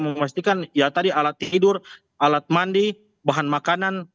memastikan ya tadi alat tidur alat mandi bahan makanan